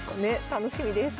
楽しみです。